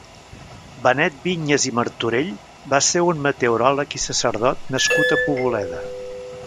Benet Viñes i Martorell va ser un meteoròleg i sacerdot nascut a Poboleda.